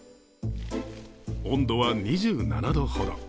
温度は２７度ほど。